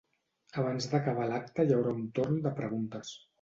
Abans d'acabar l'acte hi haurà un torn de preguntes.